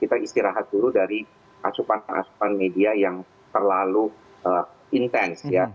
kita istirahat dulu dari asupan asupan media yang terlalu intens ya